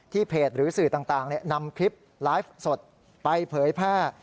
เพจหรือสื่อต่างนำคลิปไลฟ์สดไปเผยแพร่